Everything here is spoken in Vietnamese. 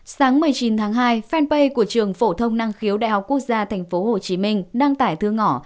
sáng một mươi chín tháng hai fanpage của trường phổ thông năng khiếu đại học quốc gia tp hcm đăng tải thư ngõ